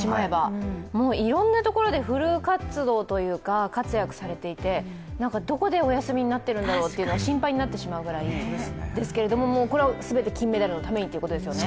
もういろんなところでフル活動というかフル活躍されていて、どこでお休みになってるんだろうと心配になってしまうぐらいですけれどもこれはすべて金メダルのためにということですよね。